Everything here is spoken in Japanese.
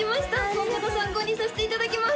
今後の参考にさせていただきます